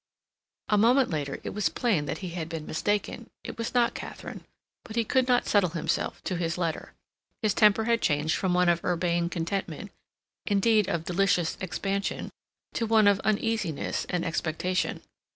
A moment later it was plain that he had been mistaken, it was not Katharine; but he could not settle himself to his letter. His temper had changed from one of urbane contentment—indeed of delicious expansion—to one of uneasiness and expectation.